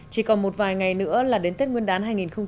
chỉ còn một vài ngày nữa là đến tết nguyên đán hai nghìn một mươi tám